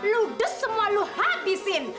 lu des semua lu habisin